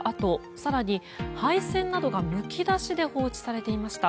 更に、配線などがむき出しで放置されていました。